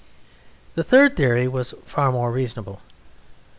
The third theory was far more reasonable.